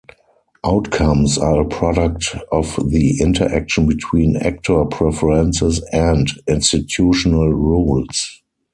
Outcomes are a product of the interaction between actor preferences "and" institutional rules.